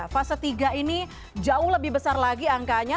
fase tiga ini jauh lebih besar lagi angkanya